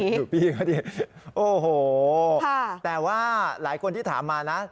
ดูพี่เขาดิโอ้โหแต่ว่าหลายคนที่ถามมานะ